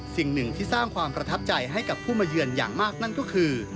สิ่งหนึ่งที่สร้างความประทับใจให้กับผู้มาเยือนอย่างมากนั่นก็คือ